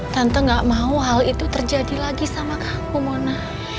tante gak mau hal itu terjadi lagi sama aku mona